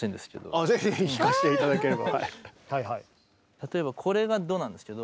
例えばこれがドなんですけど。